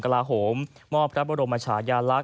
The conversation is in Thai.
กราศูนย์กระลาฮม